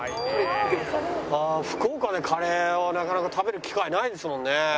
ああ福岡でカレーをなかなか食べる機会ないですもんね。